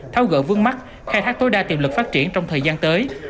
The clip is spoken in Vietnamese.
tháo gỡ vương mắt khai thác tối đa tiềm lực phát triển trong thời gian tới